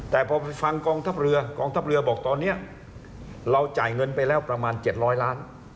แต่พอฟังกองทัพเรือบอกตอนนี้เราจ่ายเงินไปแล้วประมาณ๗๐๐ล้าน